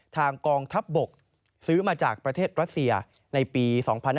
กองทัพบกซื้อมาจากประเทศรัสเซียในปี๒๕๕๙